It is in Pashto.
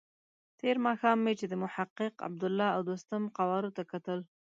تېر ماښام مې چې د محقق، عبدالله او دوستم قوارو ته کتل.